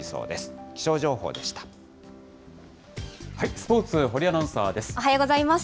スポーツ、堀アナウンサーです。